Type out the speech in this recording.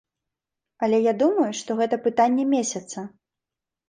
Але я думаю, што гэта пытанне месяца.